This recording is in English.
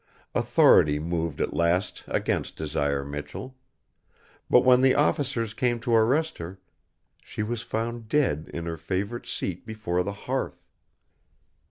Authority moved at last against Desire Michell. But when the officers came to arrest her, she was found dead in her favorite seat before the hearth.